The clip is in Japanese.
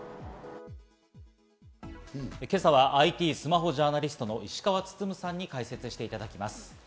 今朝はＩＴスマホジャーナリストの石川温さんに解説していただきます。